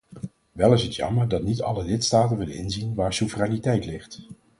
Wel is het jammer dat niet alle lidstaten willen inzien waar soevereiniteit ligt.